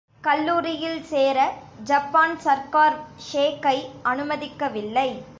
கல்லூரியில் சேர ஜப்பான் சர்க்கார் ஷேக்கை அனுமதிக்கவில்லை.